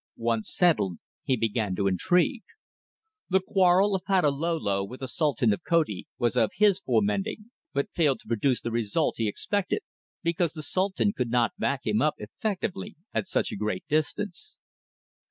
Once settled, he began to intrigue. The quarrel of Patalolo with the Sultan of Koti was of his fomenting, but failed to produce the result he expected because the Sultan could not back him up effectively at such a great distance.